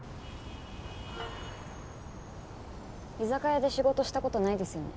居酒屋で仕事した事ないですよね？